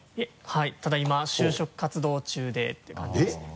はいただ今就職活動中でっていう感じですね。